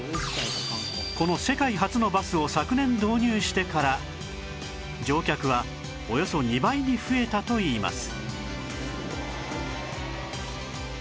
この世界初のバスを昨年導入してから乗客はおよそ２倍に増えたといいます